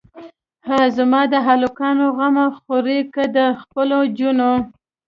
هه زما د الکانو غمه خورې که د خپلو جونو.